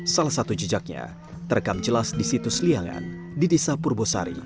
salah satu jejaknya terekam jelas di situs liangan di desa purbosari